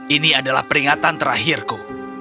ini adalah peringatan terakhirku